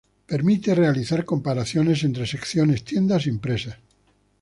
Permite realizar comparaciones entre secciones, tiendas y empresas.